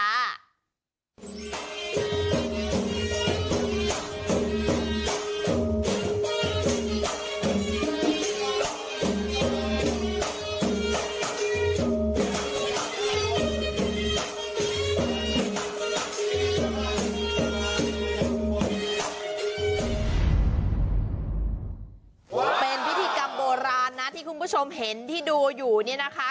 เป็นพิธีกรรมโบราณนะที่คุณผู้ชมเห็นที่ดูอยู่เนี่ยนะคะ